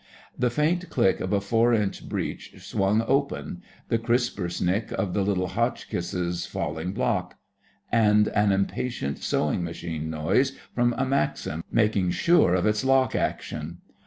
the faint clink of a four inch breech swung open; the crisper snick of the little Hotchkiss's falling block; and an impatient sewing machine noise from a Maxim making sure of its lock action.